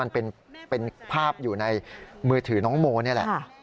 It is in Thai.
มันเป็นภาพอยู่ในมือถือน้องโมนี่แหละ